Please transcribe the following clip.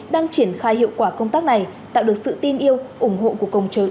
đang triển khai hiệu quả công tác này tạo được sự tin yêu ủng hộ của công chúng